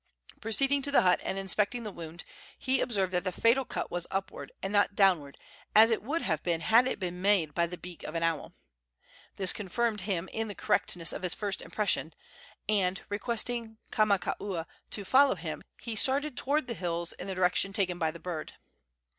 Proceeding to the hut and inspecting the wound, he observed that the fatal cut was upward, and not downward, as it would have been had it been made by the beak of an owl. This confirmed him in the correctness of his first impression, and, requesting Kamakaua to follow him, he started toward the hills in the direction taken by the bird.